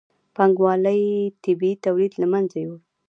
پانګوالۍ طبیعي تولید له منځه یووړ.